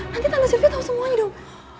nanti tante silvia tahu semuanya dong